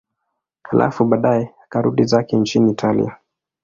Halafu baadaye akarudi zake nchini Italia.